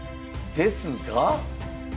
ですが？